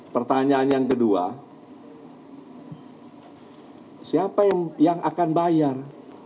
pertanyaan yang kedua siapa yang akan bayar